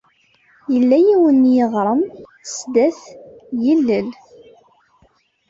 Yella yiwen n yiɣrem sdat yilel.